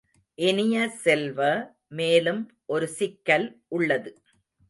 இனிய செல்வ, மேலும் ஒரு சிக்கல் உள்ளது.